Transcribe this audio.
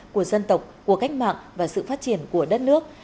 của dân tộc của cách mạng và sự phát triển của đất nước